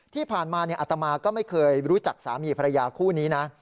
ที่ผ่านมาอัตมาก็ไม่เคยรู้จักสามีภรรยาคู่นี้นะ